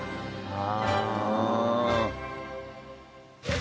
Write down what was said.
ああ。